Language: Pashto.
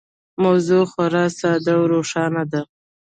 موضوع خورا ساده او روښانه ده.